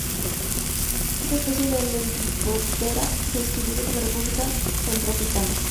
Esta especie de Lepidoptera se distribuye por la República Centroafricana.